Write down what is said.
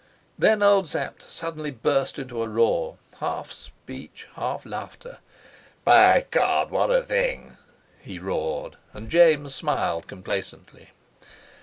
Then old Sapt suddenly burst into a roar, half speech, half laughter. "By God, what a thing!" he roared; and James smiled complacently.